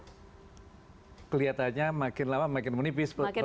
nah kelihatannya makin lama makin menipis persediaannya